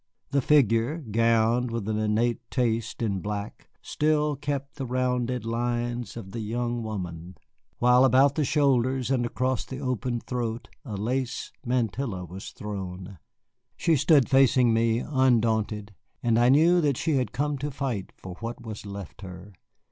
The figure, gowned with an innate taste in black, still kept the rounded lines of the young woman, while about the shoulders and across the open throat a lace mantilla was thrown. She stood facing me, undaunted, and I knew that she had come to fight for what was left her.